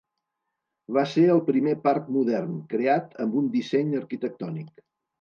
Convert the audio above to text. Va ser el primer parc modern, creat amb un disseny arquitectònic.